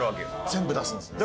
全部出すんですね。